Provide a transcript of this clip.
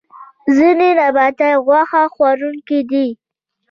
ځینې نباتات غوښه خوړونکي دي